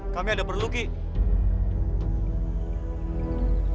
kami ada perlu kea